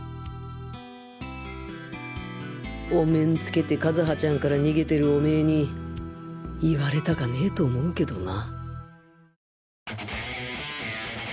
お面つけて和葉ちゃんから逃げてるオメーに言われたかねえと思うけどな